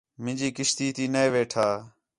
مینجی کشتی تی نے ویٹھا